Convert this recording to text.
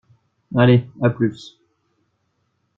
Allez, à plus!